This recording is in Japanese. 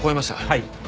はい。